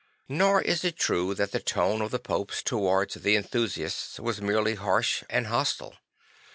Nor is it true that the tone of the Popes towards the enthusiasts was nlerely harsh and hostile.